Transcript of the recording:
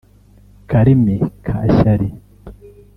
Karimi ka shyari